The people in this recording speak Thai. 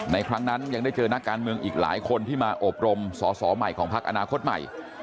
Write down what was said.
ครั้งนั้นยังได้เจอนักการเมืองอีกหลายคนที่มาอบรมสอสอใหม่ของพักอนาคตใหม่